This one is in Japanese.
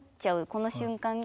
この瞬間が。